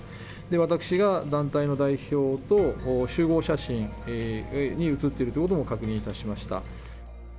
私が団体の代表と集合写真に写っているということも確認いたし